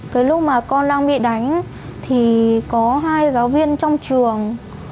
cái lúc mà con đang bị đánh thì có hai giáo viên trong trường